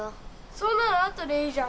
そんなのあとでいいじゃん。